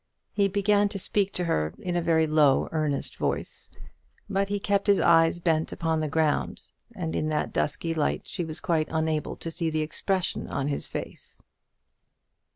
He began to speak to her in a very low earnest voice; but he kept his eyes bent upon the ground; and in that dusky light she was quite unable to see the expression of his face.